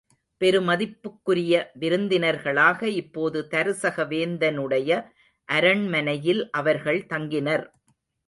பெருமதிப்புக்குரிய விருந்தினர்களாக இப்போது தருசக வேந்தனுடைய அரண்மனையில் அவர்கள் தங்கினர்.